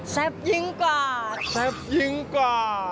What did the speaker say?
ยิ่งกว่าแซ่บยิ่งกว่า